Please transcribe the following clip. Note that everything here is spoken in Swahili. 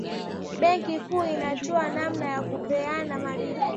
benki kuu inatoa namna ya Kupeana malipo